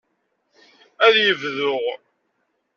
Ad yebdu.